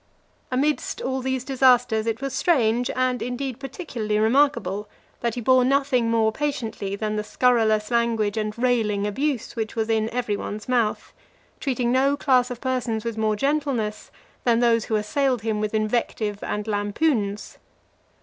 Amidst all these disasters, it was strange, and, indeed, particularly remarkable, that he bore nothing more patiently than the scurrilous language and railing abuse which was in every one's mouth; treating no class of persons with more gentleness, than those who assailed him with invective and lampoons.